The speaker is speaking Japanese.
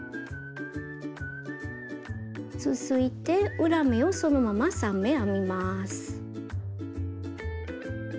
続いて裏目をそのまま３目編みます。